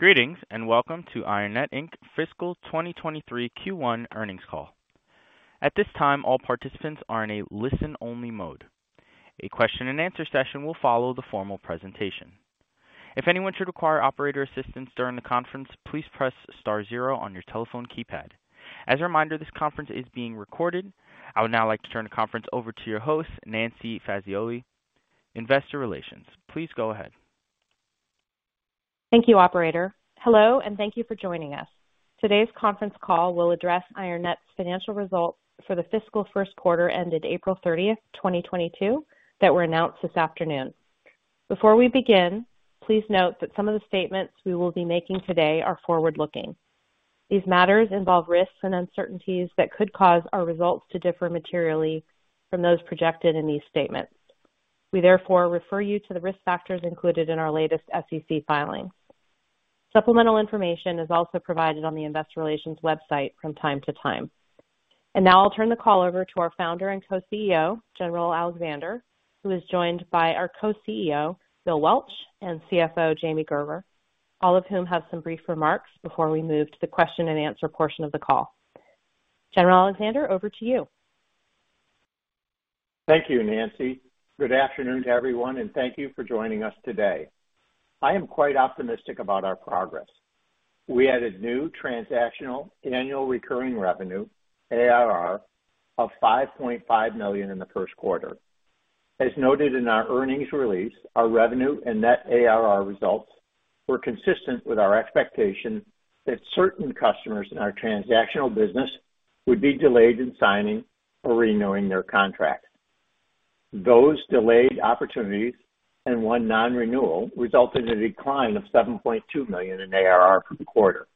Greetings, welcome to IronNet, Inc. Fiscal 2023 Q1 earnings call. At this time, all participants are in a listen-only mode. A question and answer session will follow the formal presentation. If anyone should require operator assistance during the conference, please press star zero on your telephone keypad. As a reminder, this conference is being recorded. I would now like to turn the conference over to your host, Nancy Fazioli, Investor Relations. Please go ahead. Thank you, operator. Hello, and thank you for joining us. Today's conference call will address IronNet's financial results for the fiscal first quarter ended April 30, 2022, that were announced this afternoon. Before we begin, please note that some of the statements we will be making today are forward-looking. These matters involve risks and uncertainties that could cause our results to differ materially from those projected in these statements. We therefore refer you to the risk factors included in our latest SEC filings. Supplemental information is also provided on the investor relations website from time to time. Now I'll turn the call over to our founder and co-CEO, Keith Alexander, who is joined by our co-CEO, Bill Welch, and CFO, James Gerber, all of whom have some brief remarks before we move to the question and answer portion of the call. Keith Alexander, over to you. Thank you, Nancy. Good afternoon to everyone, and thank you for joining us today. I am quite optimistic about our progress. We added new transactional annual recurring revenue, ARR, of $5.5 million in the first quarter. As noted in our earnings release, our revenue and net ARR results were consistent with our expectation that certain customers in our transactional business would be delayed in signing or renewing their contract. Those delayed opportunities and one non-renewal resulted in a decline of $7.2 million in ARR for the quarter,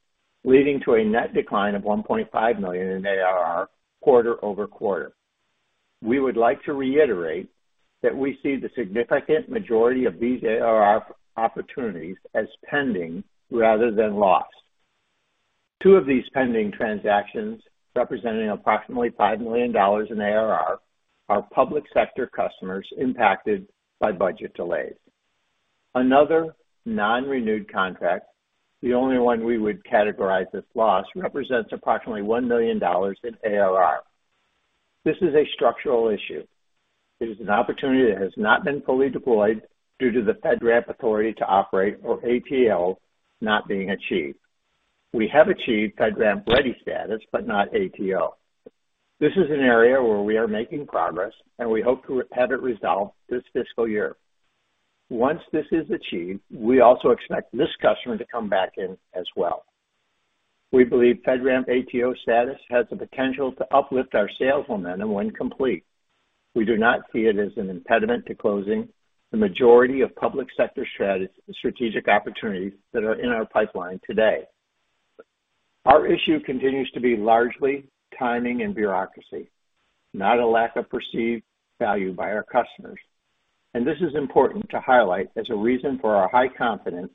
leading to a net decline of $1.5 million in ARR quarter-over-quarter. We would like to reiterate that we see the significant majority of these ARR opportunities as pending rather than lost. Two of these pending transactions, representing approximately $5 million in ARR, are public sector customers impacted by budget delays. Another non-renewed contract, the only one we would categorize as lost, represents approximately $1 million in ARR. This is a structural issue. It is an opportunity that has not been fully deployed due to the FedRAMP authority to operate or ATO not being achieved. We have achieved FedRAMP ready status, but not ATO. This is an area where we are making progress, and we hope to have it resolved this fiscal year. Once this is achieved, we also expect this customer to come back in as well. We believe FedRAMP ATO status has the potential to uplift our sales momentum when complete. We do not see it as an impediment to closing the majority of public sector strategic opportunities that are in our pipeline today. Our issue continues to be largely timing and bureaucracy, not a lack of perceived value by our customers. This is important to highlight as a reason for our high confidence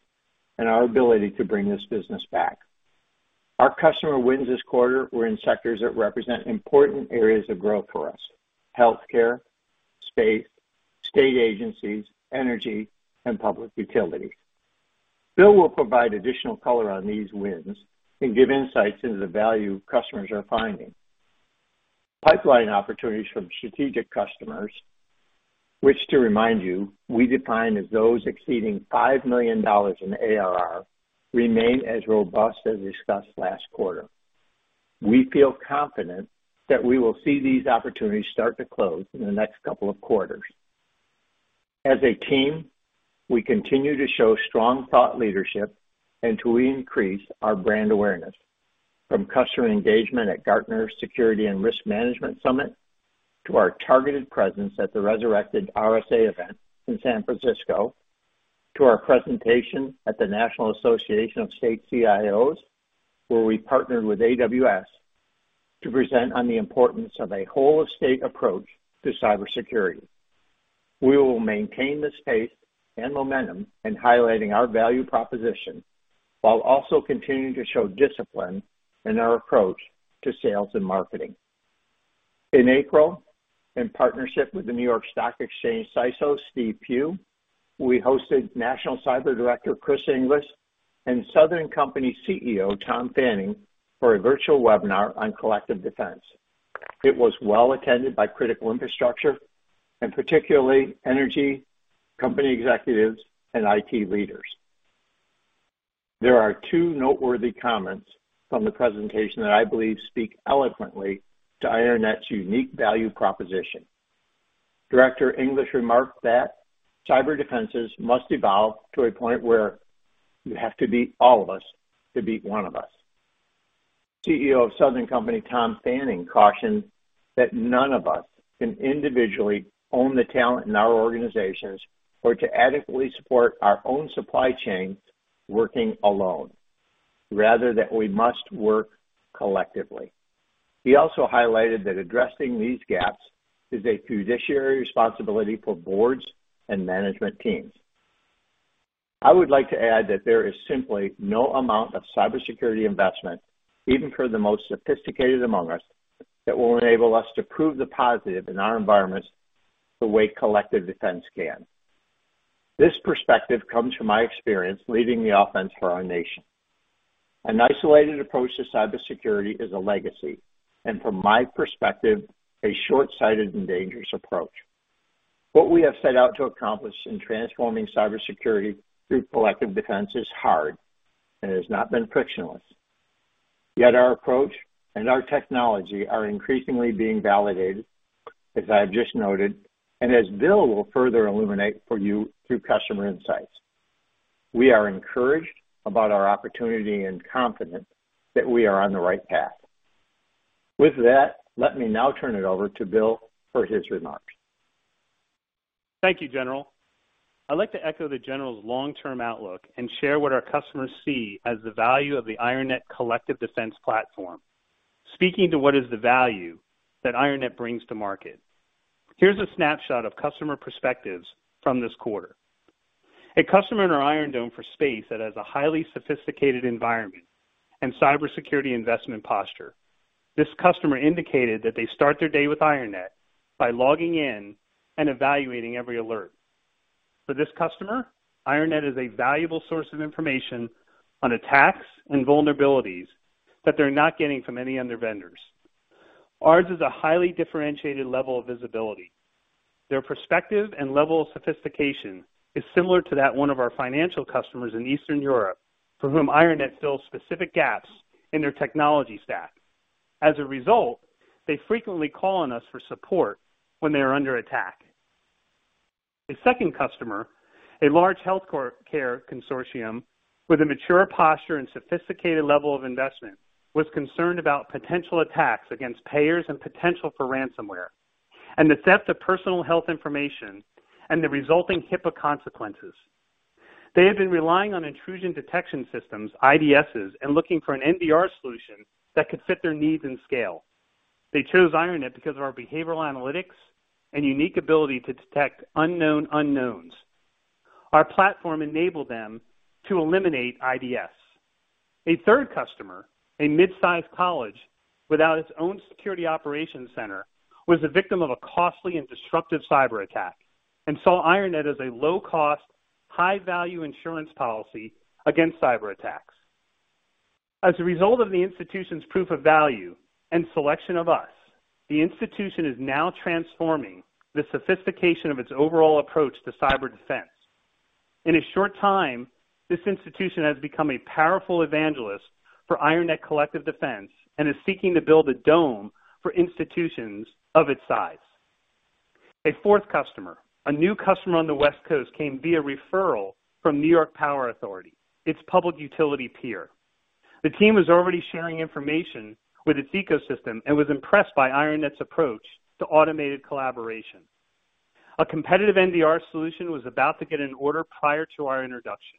in our ability to bring this business back. Our customer wins this quarter were in sectors that represent important areas of growth for us, healthcare, state agencies, energy, and public utility. Bill will provide additional color on these wins and give insights into the value customers are finding. Pipeline opportunities from strategic customers, which to remind you, we define as those exceeding $5 million in ARR remain as robust as discussed last quarter. We feel confident that we will see these opportunities start to close in the next couple of quarters. As a team, we continue to show strong thought leadership and to increase our brand awareness from customer engagement at Gartner Security & Risk Management Summit, to our targeted presence at the resurrected RSA event in San Francisco, to our presentation at the National Association of State CIOs, where we partnered with AWS to present on the importance of a whole state approach to cybersecurity. We will maintain this pace and momentum in highlighting our value proposition while also continuing to show discipline in our approach to sales and marketing. In April, in partnership with the New York Stock Exchange CISO, Steve Pugh, we hosted National Cyber Director, Chris Inglis, and Southern Company CEO, Tom Fanning, for a virtual webinar on Collective Defense. It was well attended by critical infrastructure and particularly energy company executives and IT leaders. There are two noteworthy comments from the presentation that I believe speak eloquently to IronNet's unique value proposition. Director Inglis remarked that cyber defenses must evolve to a point where you have to beat all of us to beat one of us. CEO of Southern Company, Tom Fanning, cautioned that none of us can individually own the talent in our organizations or to adequately support our own supply chain working alone, rather that we must work collectively. He also highlighted that addressing these gaps is a fiduciary responsibility for boards and management teams. I would like to add that there is simply no amount of cybersecurity investment, even for the most sophisticated among us, that will enable us to prove the positive in our environments. This perspective comes from my experience leading the offense for our nation. An isolated approach to cybersecurity is a legacy, and from my perspective, a short-sighted and dangerous approach. What we have set out to accomplish in transforming cybersecurity through Collective Defense is hard and has not been frictionless. Yet our approach and our technology are increasingly being validated, as I have just noted, and as Bill will further illuminate for you through customer insights. We are encouraged about our opportunity and confident that we are on the right path. With that, let me now turn it over to Bill for his remarks. Thank you, General. I'd like to echo the General's long-term outlook and share what our customers see as the value of the IronNet Collective Defense Platform. Speaking to what is the value that IronNet brings to market. Here's a snapshot of customer perspectives from this quarter. A customer in our IronDome for space that has a highly sophisticated environment and cybersecurity investment posture. This customer indicated that they start their day with IronNet by logging in and evaluating every alert. For this customer, IronNet is a valuable source of information on attacks and vulnerabilities that they're not getting from any other vendors. Ours is a highly differentiated level of visibility. Their perspective and level of sophistication is similar to that of our financial customers in Eastern Europe, for whom IronNet fills specific gaps in their technology stack. As a result, they frequently call on us for support when they are under attack. A second customer, a large health care consortium with a mature posture and sophisticated level of investment, was concerned about potential attacks against payers and potential for ransomware, and the theft of personal health information and the resulting HIPAA consequences. They have been relying on intrusion detection systems, IDSs, and looking for an MDR solution that could fit their needs and scale. They chose IronNet because of our behavioral analytics and unique ability to detect unknown unknowns. Our platform enabled them to eliminate IDSs. A third customer, a mid-sized college without its own security operations center, was a victim of a costly and disruptive cyber attack and saw IronNet as a low-cost, high-value insurance policy against cyber attacks. As a result of the institution's proof of value and selection of us, the institution is now transforming the sophistication of its overall approach to cyber defense. In a short time, this institution has become a powerful evangelist for IronNet Collective Defense and is seeking to build a dome for institutions of its size. A fourth customer, a new customer on the West Coast, came via referral from New York Power Authority, its public utility peer. The team was already sharing information with its ecosystem and was impressed by IronNet's approach to automated collaboration. A competitive MDR solution was about to get an order prior to our introduction.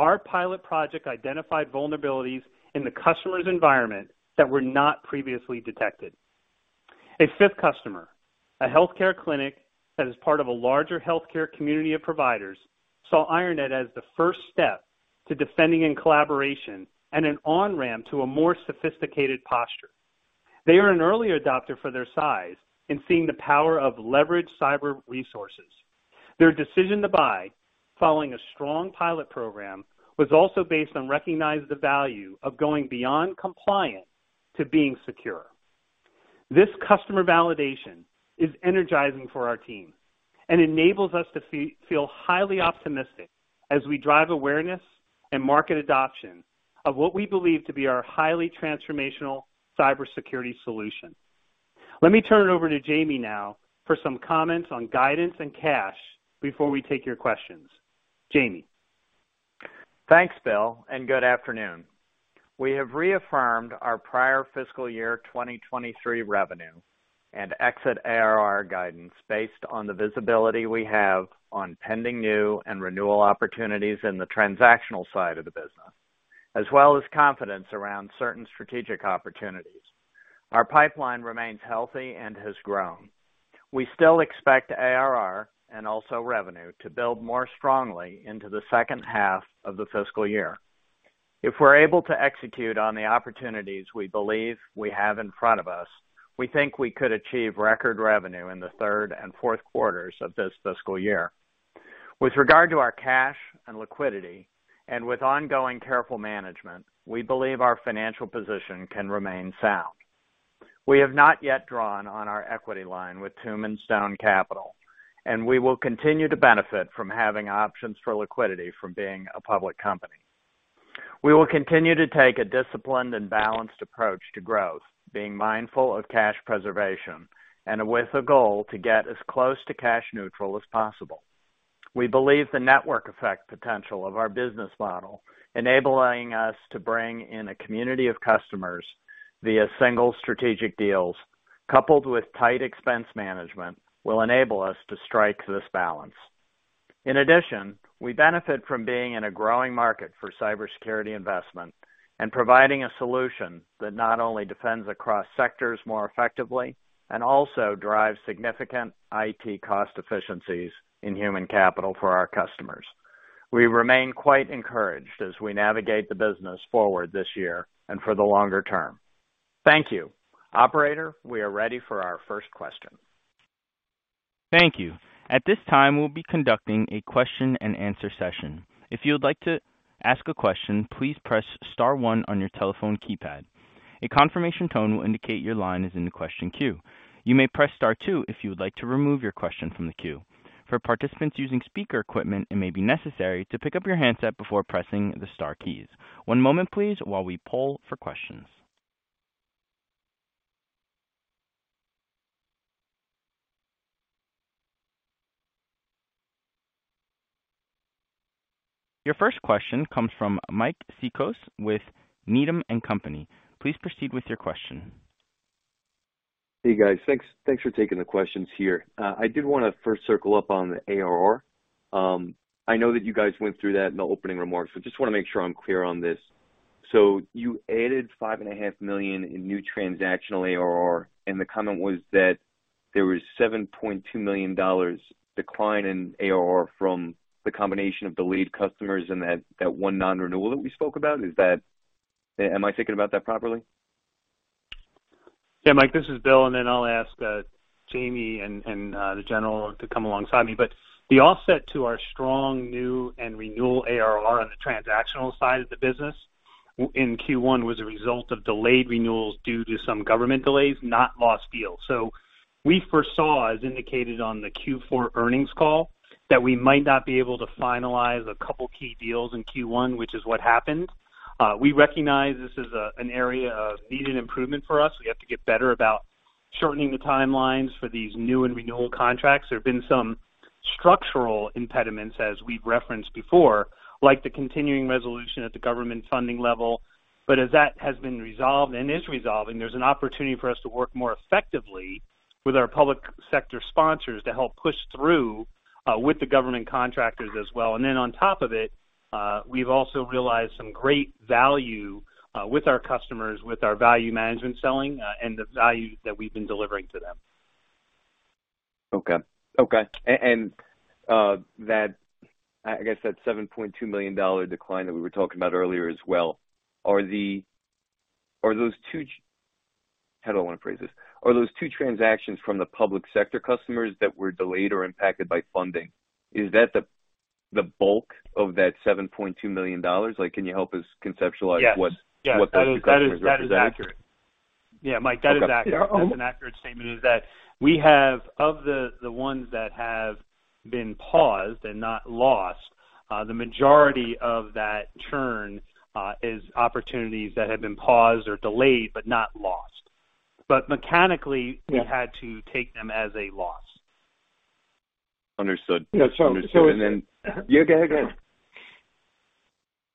Our pilot project identified vulnerabilities in the customer's environment that were not previously detected. A fifth customer, a healthcare clinic that is part of a larger healthcare community of providers, saw IronNet as the first step to defending in collaboration and an on-ramp to a more sophisticated posture. They are an early adopter for their size in seeing the power of leveraged cyber resources. Their decision to buy following a strong pilot program was also based on recognizing the value of going beyond compliant to being secure. This customer validation is energizing for our team and enables us to feel highly optimistic as we drive awareness and market adoption of what we believe to be our highly transformational cybersecurity solution. Let me turn it over to Jamie now for some comments on guidance and cash before we take your questions. Jamie. Thanks, Bill, and good afternoon. We have reaffirmed our prior fiscal year 2023 revenue and exit ARR guidance based on the visibility we have on pending new and renewal opportunities in the transactional side of the business, as well as confidence around certain strategic opportunities. Our pipeline remains healthy and has grown. We still expect ARR and also revenue to build more strongly into the second half of the fiscal year. If we're able to execute on the opportunities we believe we have in front of us, we think we could achieve record revenue in the third and fourth quarters of this fiscal year. With regard to our cash and liquidity and with ongoing careful management, we believe our financial position can remain sound. We have not yet drawn on our equity line with Tumim Stone Capital, and we will continue to benefit from having options for liquidity from being a public company. We will continue to take a disciplined and balanced approach to growth, being mindful of cash preservation and with a goal to get as close to cash neutral as possible. We believe the network effect potential of our business model, enabling us to bring in a community of customers via single strategic deals coupled with tight expense management, will enable us to strike this balance. In addition, we benefit from being in a growing market for cybersecurity investment and providing a solution that not only defends across sectors more effectively and also drives significant IT cost efficiencies in human capital for our customers. We remain quite encouraged as we navigate the business forward this year and for the longer term. Thank you. Operator, we are ready for our first question. Thank you. At this time, we'll be conducting a question and answer session. If you would like to ask a question, please press star one on your telephone keypad. A confirmation tone will indicate your line is in the question queue. You may press star two if you would like to remove your question from the queue. For participants using speaker equipment, it may be necessary to pick up your handset before pressing the star keys. One moment please while we poll for questions. Your first question comes from Mike Cikos with Needham & Company. Please proceed with your question. Hey, guys. Thanks for taking the questions here. I did wanna first circle up on the ARR. I know that you guys went through that in the opening remarks, so just wanna make sure I'm clear on this. You added $5 and a half million in new transactional ARR, and the comment was that there was $7.2 million decline in ARR from the combination of delayed customers and that one non-renewal that we spoke about. Is that? Am I thinking about that properly? Yeah, Mike, this is Bill, and then I'll ask Jamie and the general to come alongside me. The offset to our strong new and renewal ARR on the transactional side of the business in Q1 was a result of delayed renewals due to some government delays, not lost deals. We first saw, as indicated on the Q4 earnings call, that we might not be able to finalize a couple key deals in Q1, which is what happened. We recognize this is an area of needed improvement for us, so we have to get better about shortening the timelines for these new and renewal contracts. There have been some structural impediments as we've referenced before, like the continuing resolution at the government funding level. As that has been resolved and is resolving, there's an opportunity for us to work more effectively with our public sector sponsors to help push through with the government contractors as well. On top of it, we've also realized some great value with our customers, with our value management selling, and the value that we've been delivering to them. Okay. That, I guess that $7.2 million decline that we were talking about earlier as well. Are those two transactions from the public sector customers that were delayed or impacted by funding, is that the bulk of that $7.2 million? Like, can you help us conceptualize? Yes. What those two customers represented? That is accurate. Yeah, Mike, that is accurate. Okay. That's an accurate statement, in that of the ones that have been paused and not lost, the majority of that churn is opportunities that have been paused or delayed, but not lost. Mechanically- Yeah. We had to take them as a loss. Understood. Yeah, it's. Yeah, go ahead.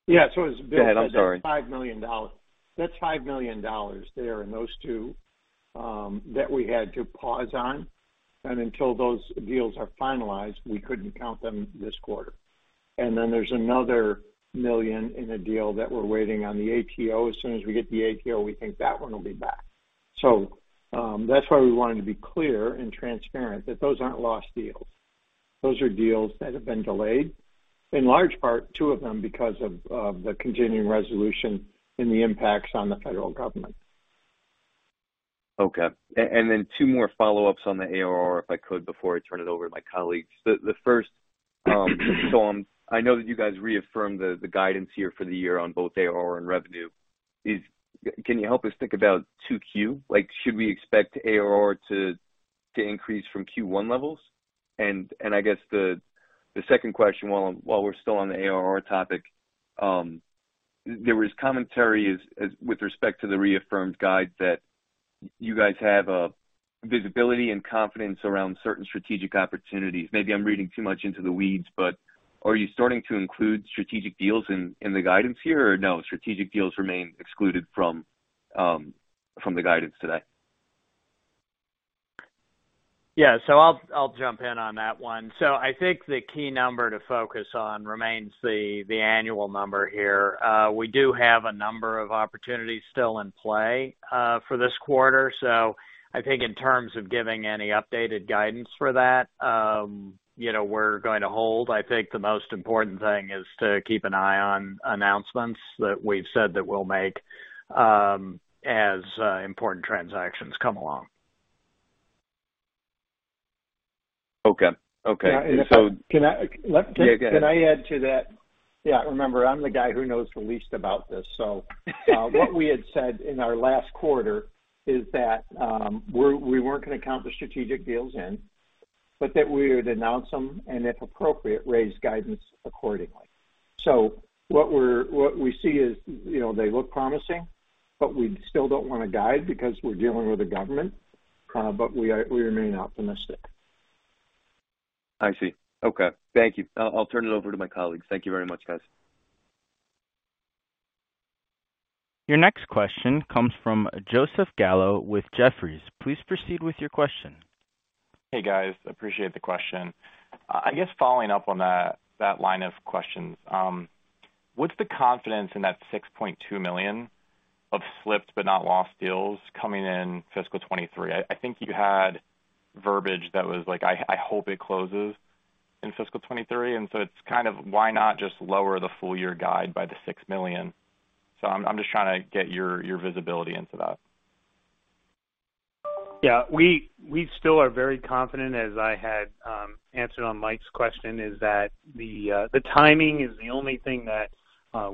Yeah. As Bill said- Go ahead. I'm sorry. $5 million. That's $5 million there in those two that we had to pause on. Until those deals are finalized, we couldn't count them this quarter. Then there's another $1 million in a deal that we're waiting on the ATO. As soon as we get the ATO, we think that one will be back. That's why we wanted to be clear and transparent that those aren't lost deals. Those are deals that have been delayed, in large part, two of them because of the continuing resolution and the impacts on the federal government. Okay. Two more follow-ups on the ARR, if I could, before I turn it over to my colleagues. The first. So I know that you guys reaffirmed the guidance here for the year on both ARR and revenue. Can you help us think about 2Q? Like, should we expect ARR to increase from Q1 levels? I guess the second question, while we're still on the ARR topic, there was commentary as with respect to the reaffirmed guide that you guys have a visibility and confidence around certain strategic opportunities. Maybe I'm reading too much into the weeds, but are you starting to include strategic deals in the guidance here, or no, strategic deals remain excluded from the guidance today? Yeah. I'll jump in on that one. I think the key number to focus on remains the annual number here. We do have a number of opportunities still in play for this quarter. I think in terms of giving any updated guidance for that, you know, we're going to hold. I think the most important thing is to keep an eye on announcements that we've said that we'll make, as important transactions come along. Okay. Yeah, if I- And so- Can I-- Let-- Yeah, go ahead. Can I add to that? Yeah, remember, I'm the guy who knows the least about this. What we had said in our last quarter is that we weren't gonna count the strategic deals in, but that we would announce them, and if appropriate, raise guidance accordingly. What we see is, you know, they look promising, but we still don't wanna guide because we're dealing with the government, but we are, we remain optimistic. I see. Okay. Thank you. I'll turn it over to my colleagues. Thank you very much, guys. Your next question comes from Joseph Gallo with Jefferies. Please proceed with your question. Hey, guys. Appreciate the question. I guess following up on that line of questions, what's the confidence in that $6.2 million of slipped but not lost deals coming in fiscal 2023? I think you had verbiage that was like, I hope it closes in fiscal 2023. It's kind of why not just lower the full year guide by the $6 million? I'm just trying to get your visibility into that. Yeah. We still are very confident, as I had answered on Mike's question, is that the timing is the only thing that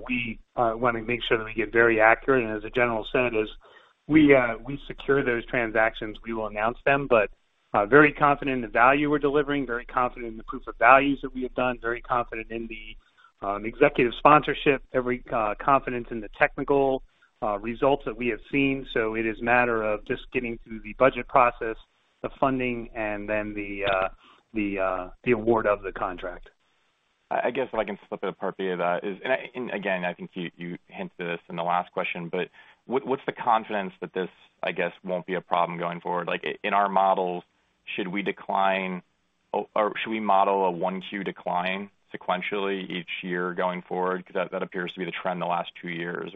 we wanna make sure that we get very accurate. As a general sentiment is we secure those transactions, we will announce them. Very confident in the value we're delivering, very confident in the proof of values that we have done, very confident in the executive sponsorship, confident in the technical results that we have seen. It is a matter of just getting through the budget process, the funding, and then the award of the contract. I guess if I can flip it appropriately, that is. Again, I think you hinted at this in the last question, but what's the confidence that this won't be a problem going forward? Like, in our models, should we decline or should we model a one Q decline sequentially each year going forward? 'Cause that appears to be the trend the last two years.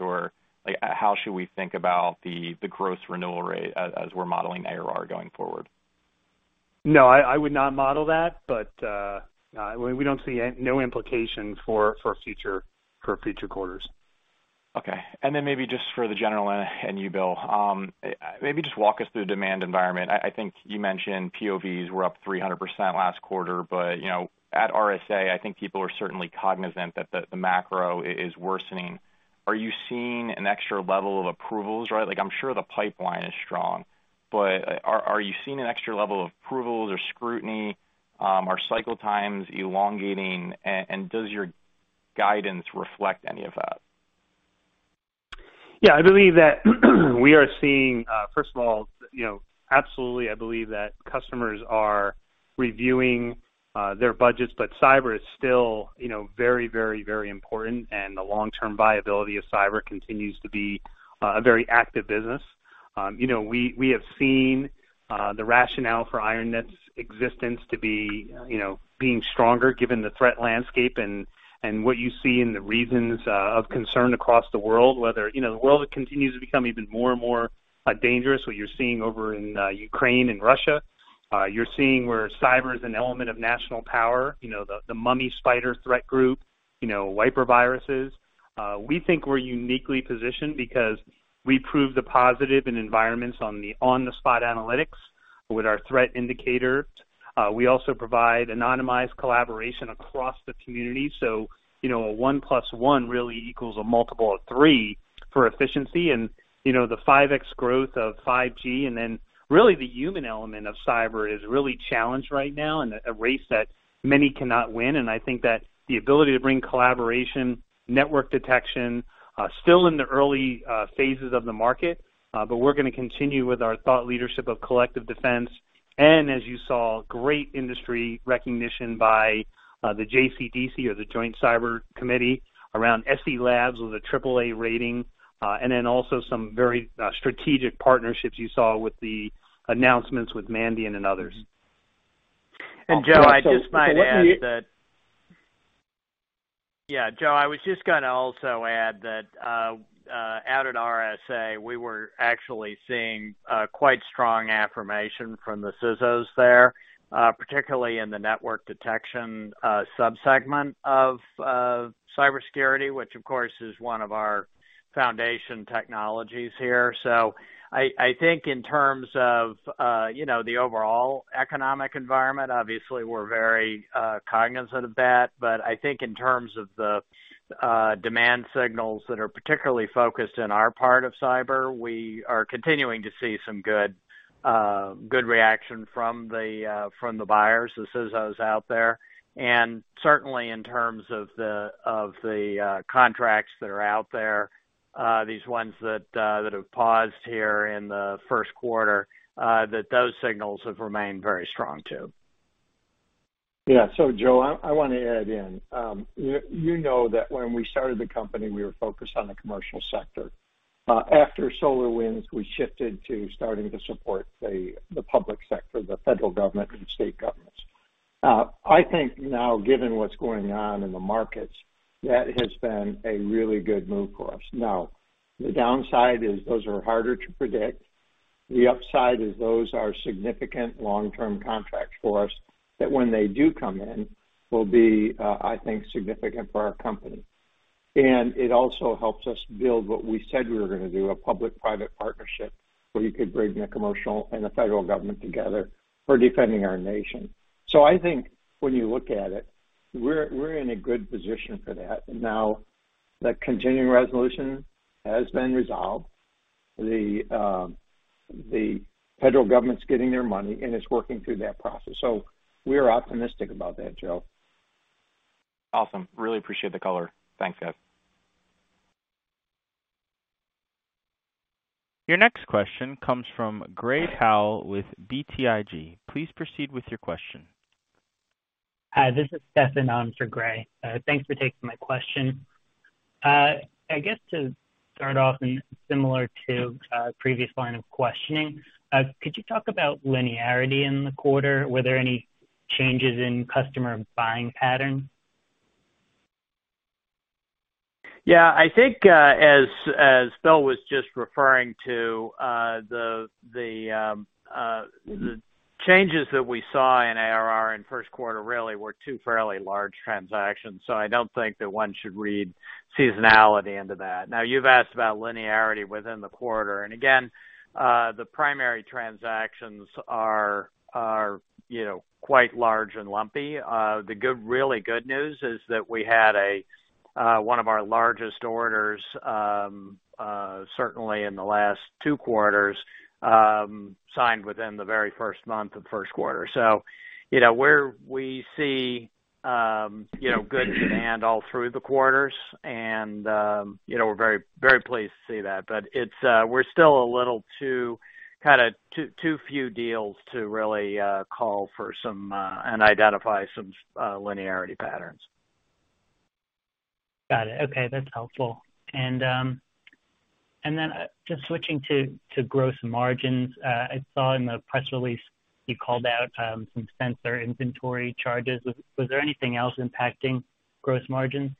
Or like, how should we think about the gross renewal rate as we're modeling ARR going forward? No, I would not model that. We don't see no implication for future quarters. Okay. Maybe just for the General and you, Bill, maybe just walk us through the demand environment. I think you mentioned POVs were up 300% last quarter, but you know, at RSA, I think people are certainly cognizant that the macro is worsening. Are you seeing an extra level of approvals, right? Like, I'm sure the pipeline is strong, but are you seeing an extra level of approvals or scrutiny? Are cycle times elongating? Does your guidance reflect any of that? Yeah. I believe that we are seeing, first of all, you know, absolutely, I believe that customers are reviewing their budgets, but cyber is still, you know, very important, and the long-term viability of cyber continues to be a very active business. You know, we have seen the rationale for IronNet's existence to be, you know, being stronger given the threat landscape and what you see in the reasons of concern across the world, whether, you know, the world continues to become even more and more dangerous. What you're seeing over in Ukraine and Russia, you're seeing where cyber is an element of national power, you know, the Mummy Spider threat group, you know, wiper viruses. We think we're uniquely positioned because we prove the positive in environments on the spot analytics with our threat indicator. We also provide anonymized collaboration across the community. You know, a one plus one really equals a multiple of three for efficiency. You know, the 5x growth of 5G, and then really the human element of cyber is really challenged right now in a race that many cannot win. I think that the ability to bring collaboration, network detection, still in the early phases of the market, but we're gonna continue with our thought leadership of Collective Defense. As you saw, great industry recognition by the JCDC or the Joint Cyber Defense Collaborative around SE Labs with a triple A rating. Also some very strategic partnerships you saw with the announcements with Mandiant and others. Mm-hmm. Joe, I just might add that. So what do you- Yeah, Joe, I was just gonna also add that out at RSA, we were actually seeing quite strong affirmation from the CISOs there, particularly in the network detection sub-segment of cybersecurity, which of course is one of our foundation technologies here. I think in terms of you know, the overall economic environment, obviously we're very cognizant of that. But I think in terms of the demand signals that are particularly focused in our part of cyber, we are continuing to see some good reaction from the buyers, the CISOs out there. Certainly in terms of the contracts that are out there, these ones that have paused here in the first quarter, those signals have remained very strong too. Yeah. Joe, I wanna add in. You know that when we started the company, we were focused on the commercial sector. After SolarWinds, we shifted to starting to support the public sector, the federal government and state governments. I think now given what's going on in the markets, that has been a really good move for us. Now, the downside is those are harder to predict. The upside is those are significant long-term contracts for us that when they do come in, will be, I think, significant for our company. It also helps us build what we said we were gonna do, a public-private partnership, where you could bring a commercial and the federal government together for defending our nation. I think when you look at it, we're in a good position for that. Now the continuing resolution has been resolved. The federal government's getting their money, and it's working through that process. We are optimistic about that, Joe. Awesome. Really appreciate the color. Thanks, guys. Your next question comes from Gray Powell with BTIG. Please proceed with your question. Hi, this is Stephan on for Gray. Thanks for taking my question. I guess to start off and similar to a previous line of questioning, could you talk about linearity in the quarter? Were there any changes in customer buying pattern? Yeah, I think, as Bill was just referring to, the changes that we saw in ARR in first quarter really were two fairly large transactions. I don't think that one should read seasonality into that. Now, you've asked about linearity within the quarter, and again, the primary transactions are, you know, quite large and lumpy. Really good news is that we had a one of our largest orders certainly in the last two quarters signed within the very first month of first quarter. You know, we see, you know, good demand all through the quarters. You know, we're very pleased to see that. But it's, we're still a little too few deals to really call for some. Identify some linearity patterns. Got it. Okay, that's helpful. Just switching to gross margins. I saw in the press release you called out some sensor inventory charges. Was there anything else impacting gross margins?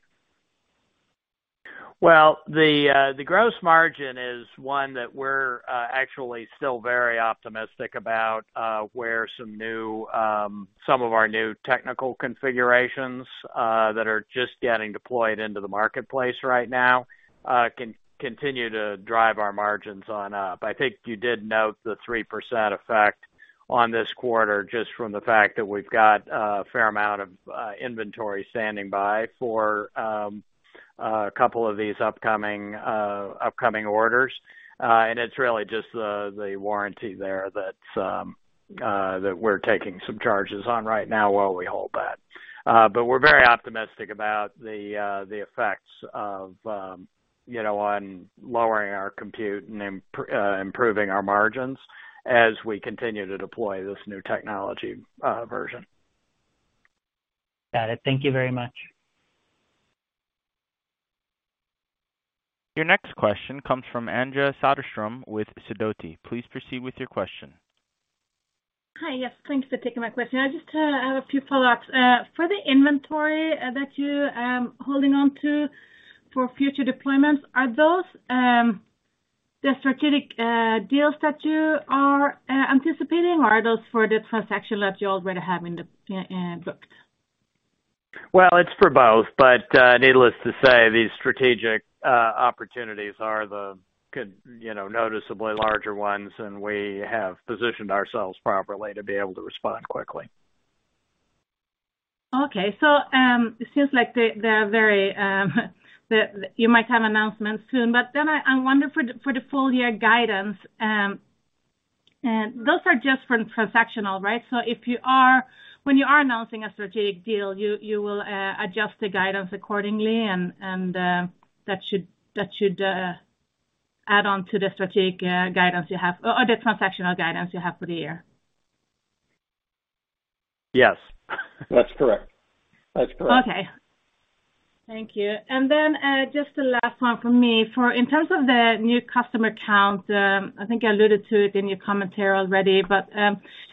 The gross margin is one that we're actually still very optimistic about, where some of our new technical configurations that are just getting deployed into the marketplace right now can continue to drive our margins on up. I think you did note the 3% effect on this quarter just from the fact that we've got a fair amount of inventory standing by for a couple of these upcoming orders. It's really just the warranty there that's that we're taking some charges on right now while we hold that. We're very optimistic about the effects of you know on lowering our compute and improving our margins as we continue to deploy this new technology version. Got it. Thank you very much. Your next question comes from Anja Soderstrom with Sidoti. Please proceed with your question. Hi. Yes, thanks for taking my question. I just have a few follow-ups. For the inventory that you holding on to for future deployments, are those the strategic deals that you are anticipating, or are those for the transaction that you already have booked? Well, it's for both, but needless to say, these strategic opportunities are the good, you know, noticeably larger ones, and we have positioned ourselves properly to be able to respond quickly. Okay. It seems like they are very, you might have announcements soon, but then I wonder for the full year guidance, and those are just for transactional, right? When you are announcing a strategic deal, you will adjust the guidance accordingly, and that should add on to the strategic guidance you have or the transactional guidance you have for the year. Yes. That's correct. Okay. Thank you. Just the last one from me. In terms of the new customer count, I think I alluded to it in your commentary already, but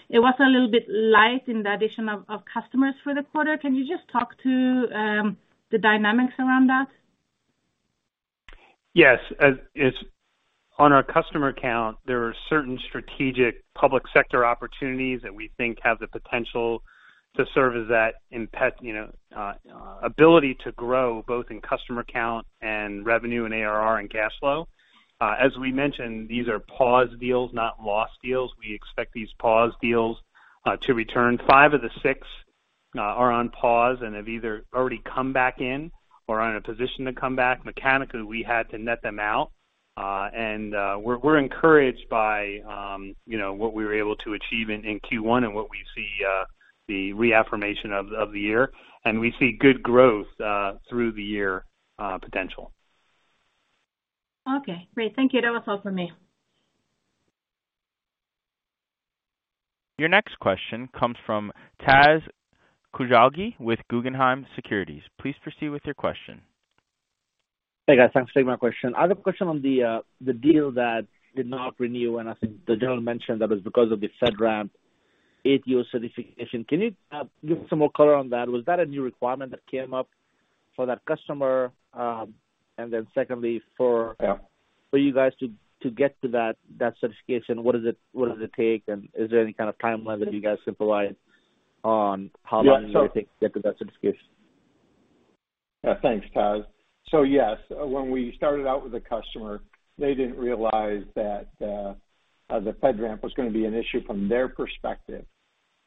it was a little bit light in the addition of customers for the quarter. Can you just talk to the dynamics around that? Yes. On our customer count, there are certain strategic public sector opportunities that we think have the potential to serve as that ability to grow both in customer count and revenue and ARR and cash flow. As we mentioned, these are paused deals, not lost deals. We expect these paused deals to return. Five of the six are on pause and have either already come back in or are in a position to come back. Mechanically, we had to net them out. We're encouraged by you know what we were able to achieve in Q1 and what we see the reaffirmation of the year, and we see good growth through the year potential. Okay, great. Thank you. That was all for me. Your next question comes from Taz Koujalgi with Guggenheim Securities. Please proceed with your question. Hey, guys. Thanks for taking my question. I have a question on the deal that did not renew, and I think the general mentioned that was because of the FedRAMP ATO certification. Can you give some more color on that? Was that a new requirement that came up for that customer? Secondly, for- Yeah. for you guys to get to that certification, what does it take? Is there any kind of timeline that you guys can provide on how long Yeah. It will take to get to that certification? Yeah. Thanks, Taz. Yes, when we started out with the customer, they didn't realize that, the FedRAMP was gonna be an issue from their perspective.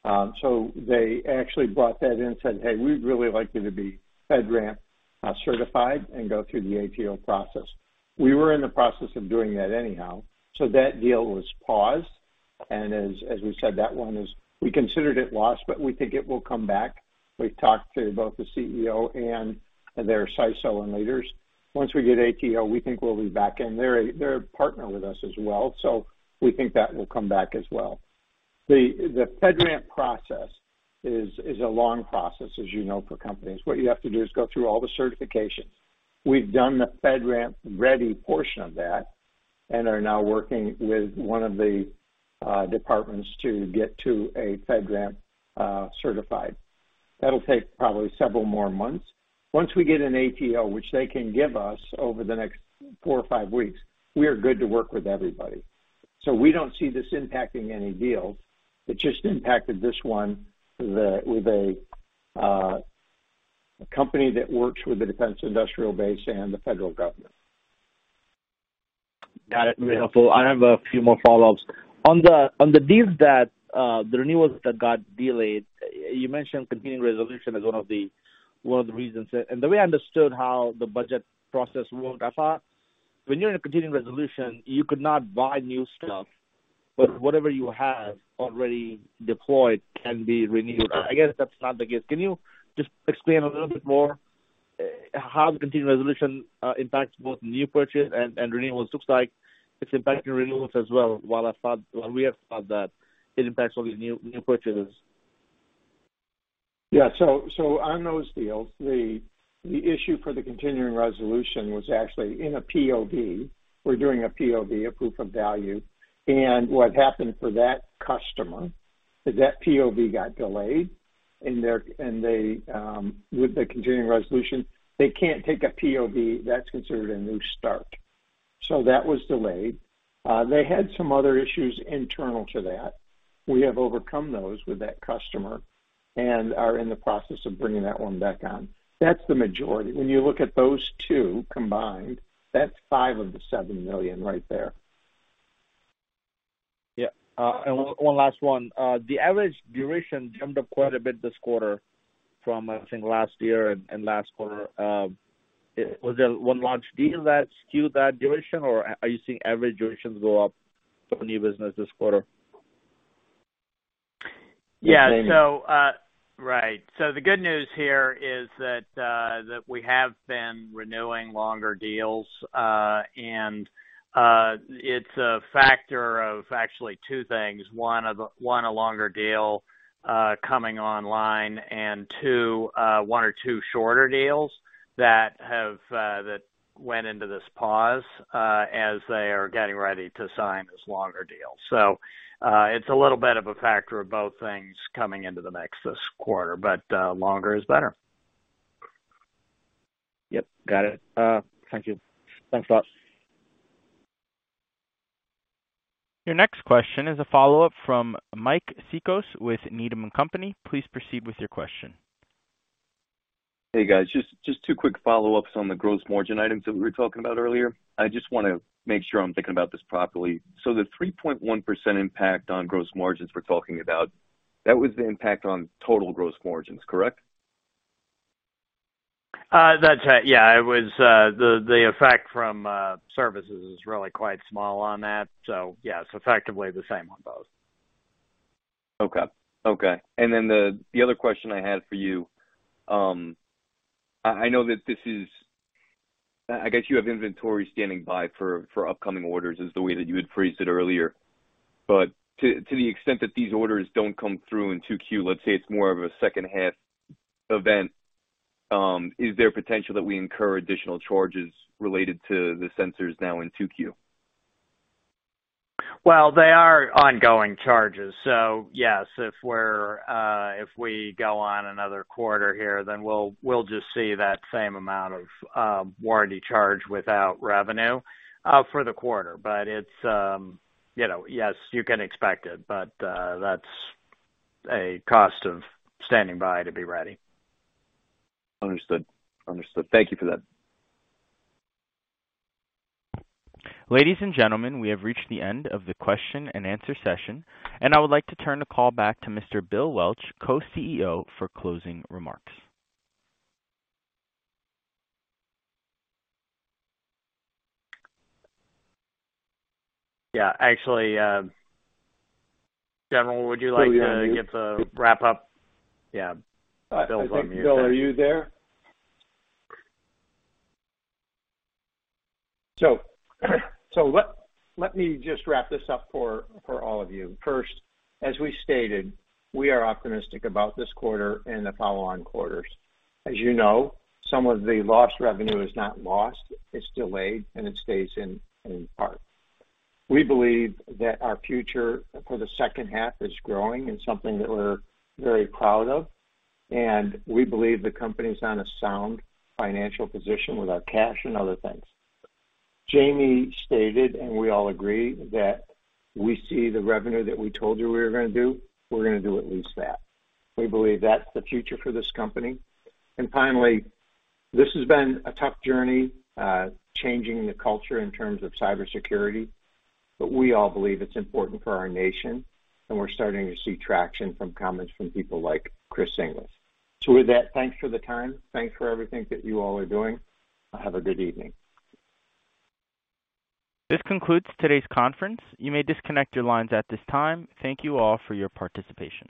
They actually brought that in and said, "Hey, we'd really like you to be FedRAMP certified and go through the ATO process." We were in the process of doing that anyhow, so that deal was paused. As we said, that one is. We considered it lost, but we think it will come back. We've talked to both the CEO and their CISO and leaders. Once we get ATO, we think we'll be back in. They're a partner with us as well. We think that will come back as well. The FedRAMP process is a long process, as you know, for companies. What you have to do is go through all the certifications. We've done the FedRAMP ready portion of that. We are now working with one of the departments to get to a FedRAMP certified. That'll take probably several more months. Once we get an ATO, which they can give us over the next 4 or 5 weeks, we are good to work with everybody. We don't see this impacting any deals. It just impacted this one with a company that works with the Defense Industrial Base and the federal government. Got it. Very helpful. I have a few more follow-ups. On the renewals that got delayed, you mentioned continuing resolution as one of the reasons. The way I understood how the budget process worked, I thought when you're in a continuing resolution, you could not buy new stuff, but whatever you have already deployed can be renewed. I guess that's not the case. Can you just explain a little bit more how the continuing resolution impacts both new purchase and renewals? Looks like it's impacting renewals as well, while I thought, well, we have thought that it impacts only new purchases. Yeah. On those deals, the issue for the continuing resolution was actually in a POV. We're doing a POV, a proof of value. What happened for that customer is that POV got delayed and they're with the continuing resolution, they can't take a POV. That's considered a new start. That was delayed. They had some other issues internal to that. We have overcome those with that customer and are in the process of bringing that one back on. That's the majority. When you look at those two combined, that's $5 million of the $7 million right there. Yeah. One last one. The average duration jumped up quite a bit this quarter from, I think, last year and last quarter. Was there one large deal that skewed that duration, or are you seeing average durations go up for new business this quarter? Yeah. Right. The good news here is that we have been renewing longer deals. It's a factor of actually two things. One, a longer deal coming online, and two, one or two shorter deals that have that went into this pause as they are getting ready to sign this longer deal. It's a little bit of a factor of both things coming into the mix this quarter. Longer is better. Yep. Got it. Thank you. Thanks a lot. Your next question is a follow-up from Mike Cikos with Needham & Company. Please proceed with your question. Hey, guys. Just two quick follow-ups on the gross margin items that we were talking about earlier. I just wanna make sure I'm thinking about this properly. The 3.1% impact on gross margins we're talking about, that was the impact on total gross margins, correct? That's right. Yeah. It was the effect from services is really quite small on that. Yes, effectively the same on both. Okay. The other question I had for you, I know, I guess, you have inventory standing by for upcoming orders, the way that you had phrased it earlier. To the extent that these orders don't come through in 2Q, let's say it's more of a second half event, is there potential that we incur additional charges related to the sensors now in 2Q? Well, they are ongoing charges, so yes, if we go on another quarter here, then we'll just see that same amount of warranty charge without revenue for the quarter. But it's you know, yes, you can expect it, but that's a cost of standing by to be ready. Understood. Thank you for that. Ladies and gentlemen, we have reached the end of the question and answer session, and I would like to turn the call back to Mr. Bill Welch, co-CEO, for closing remarks. Yeah, actually, General, would you like to give the wrap up? Yeah. Bill's on mute. I think, Bill, are you there? Let me just wrap this up for all of you. First, as we stated, we are optimistic about this quarter and the follow-on quarters. As you know, some of the lost revenue is not lost, it's delayed, and it stays in part. We believe that our future for the second half is growing and something that we're very proud of. We believe the company's on a sound financial position with our cash and other things. Jamie stated, and we all agree, that we see the revenue that we told you we were gonna do, we're gonna do at least that. We believe that's the future for this company. Finally, this has been a tough journey, changing the culture in terms of cybersecurity, but we all believe it's important for our nation, and we're starting to see traction from comments from people like Chris Inglis. With that, thanks for the time, thanks for everything that you all are doing. Have a good evening. This concludes today's conference. You may disconnect your lines at this time. Thank you all for your participation.